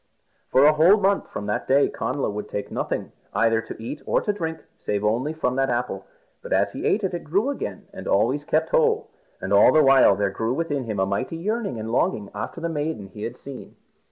For a whole month from that day Connla would take nothing, either to eat or to drink, save only from that apple. But as he ate it grew again and always kept whole. And all the while there grew within him a mighty yearning and longing after the maiden he had seen.